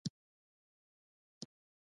دوی پوهېدل چې پلاوی زموږ د خدمت لپاره راغلی.